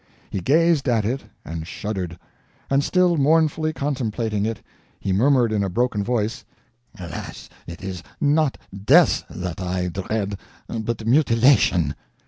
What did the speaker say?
He gazed at it and shuddered. And still mournfully contemplating it, he murmured in a broken voice: "Alas, it is not death I dread, but mutilation."